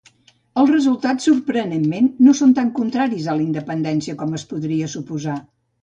Els resultats sorprenentment no son tan contraris a la independència com es podria suposar